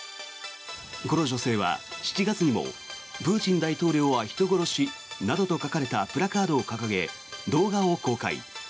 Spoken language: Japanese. この女性は７月にもプーチン大統領は人殺しなどと書かれたプラカードを掲げ動画を公開。